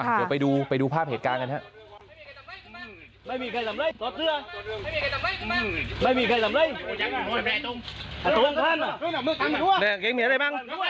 เดี๋ยวไปดูไปดูภาพเหตุการณ์กันครับ